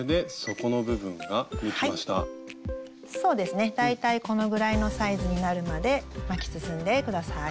そうですね大体このぐらいのサイズになるまで巻き進んで下さい。